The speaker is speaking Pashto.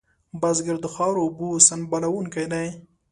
بزګر د خاورو اوبو سنبالونکی دی